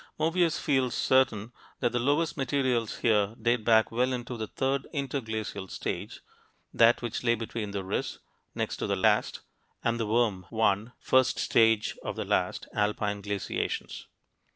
Movius feels certain that the lowest materials here date back well into the third interglacial stage, that which lay between the Riss (next to the last) and the Würm I (first stage of the last) alpine glaciations.